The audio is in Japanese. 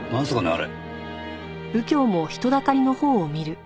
あれ。